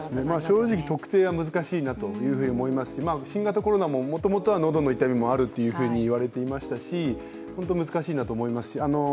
正直特定は難しいなと思いますが、新型コロナももともとは喉の痛みもあるといわれていましたしホント難しいなと思いますし。